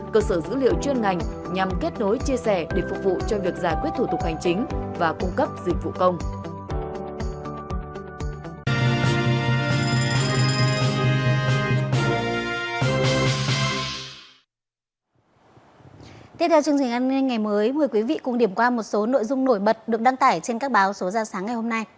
cơ sở dữ liệu chuyên ngành nhằm kết nối chia sẻ để phục vụ cho việc giải quyết thủ tục hành chính và cung cấp dịch vụ công